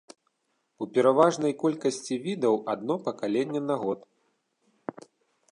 У пераважнай колькасці відаў адно пакаленне на год.